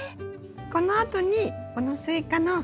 このあとにこのスイカの。